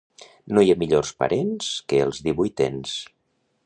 No hi ha millors parents que els divuitens.